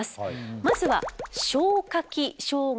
まずは消化器障害型。